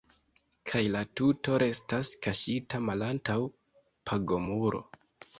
Kaj la tuto restas kaŝita malantaŭ pagomuro.